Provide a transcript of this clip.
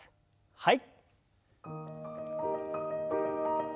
はい。